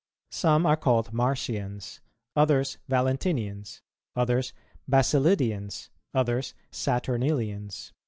. Some are called Marcians, others Valentinians, others Basilidians, others Saturnilians."